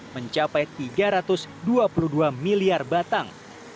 mencapai tiga ratus dua puluh dua miliar batang